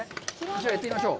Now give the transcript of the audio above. じゃあ、やってみましょう。